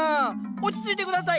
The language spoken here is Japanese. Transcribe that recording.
落ち着いて下さい！